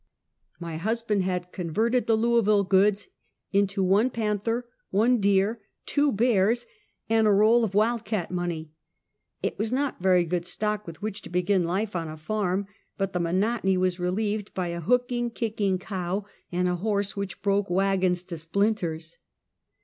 My husband had converted the Louisville goods in to one panther, one deer, two bears, and a roll of " wild cat " money. It was not very good stock with which to begin life on a farm, but the monotony was relieved by a hooking, kicking cow, and a horse which broke wagons to splinters.